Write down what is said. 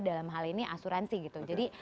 dalam hal ini asuransi gitu jadi